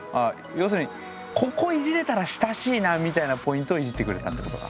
要するにここいじれたら親しいなみたいなポイントをいじってくれたってことか。